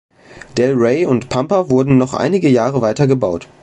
Del Rey und Pampa wurden noch einige Jahre weiter gebaut.